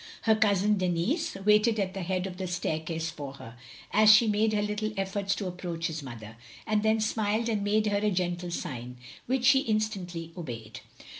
Her cousin Denis waited at the head of the ■ staircase for her, as she made her little efforts to approach his mother; and then smiled and made her a gentle sign, which she instantly obeyed.